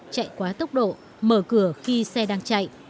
chạy quá tốc độ mở cửa khi xe đang chạy